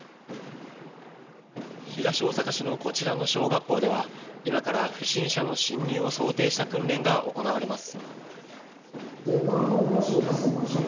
東大阪市のこちらの小学校では、今から不審者の侵入を想定した訓練が行われます。